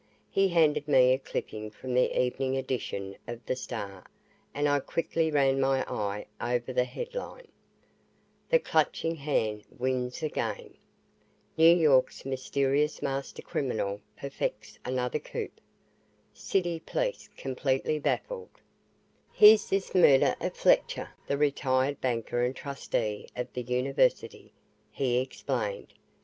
He handed me a clipping from the evening edition of the Star and I quickly ran my eye over the headline: "THE CLUTCHING HAND" WINS AGAIN NEW YORK'S MYSTERIOUS MASTER CRIMINAL PERFECTS ANOTHER COUP CITY POLICE COMPLETELY BAFFLED "Here's this murder of Fletcher, the retired banker and trustee of the University," he explained.